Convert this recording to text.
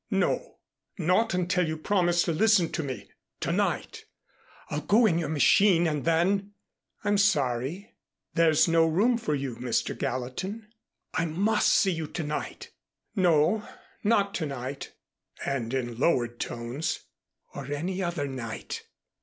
"No, not until you promise to listen to me to night. I'll go in your machine, and then " "I'm sorry. There's no room for you, Mr. Gallatin." "I must see you to night." "No not to night," and in lowered tones, "or any other night."